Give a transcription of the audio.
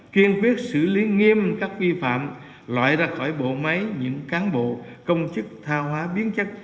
kiên quyết xử lý nghiêm các vi phạm loại ra khỏi bộ máy những cán bộ công chức thao hóa biến chất